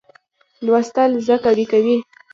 لوستل زه قوي کوي.